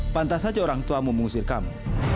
pantas saja orang tuamu mengusir kamu